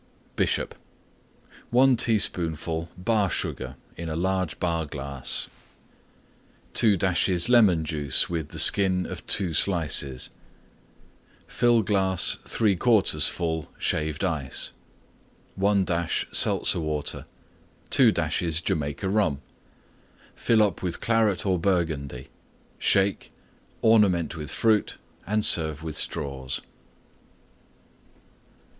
BISHOP 1 teaspoonful Bar Sugar in large Bar glass. 2 dashes Lemon Juice with the Skin of Two Slices. Fill glass 3/4 full Shaved Ice. 1 dash Seltzer Water. 2 dashes Jamaica Rum. Fill up with Claret or Burgundy; shake; ornament with Fruit and serve with Straws.